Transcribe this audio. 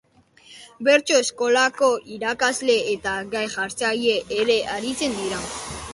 Bertso-eskolako irakasle eta gai-jartzaile ere aritzen da.